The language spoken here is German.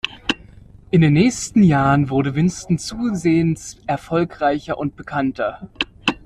In den nächsten Jahren wurde Winston zusehends erfolgreicher und bekannter.